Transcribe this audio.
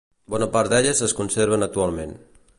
Bona part d'elles es conserven actualment.